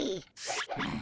うん。